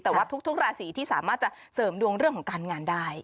แต่ว่าทุกราศีที่สามารถจะเสริมดวงเรื่องของการงานได้